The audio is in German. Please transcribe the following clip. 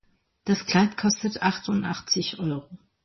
Das Kleid kostet achtundachtzig Euro